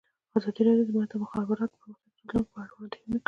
ازادي راډیو د د مخابراتو پرمختګ د راتلونکې په اړه وړاندوینې کړې.